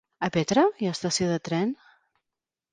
A Petra hi ha estació de tren?